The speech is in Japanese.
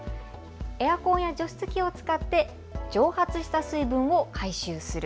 エアコンや除湿機を使って蒸発した水分を回収する。